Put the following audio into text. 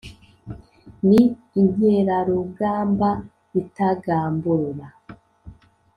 Ni inkerarugamba itagamburura